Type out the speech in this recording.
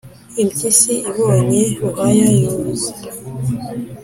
impyisi ibonye ruhaya yuza,